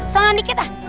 sama dikit dah